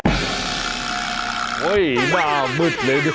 โอ้โหหน้ามืดเลยเนี่ย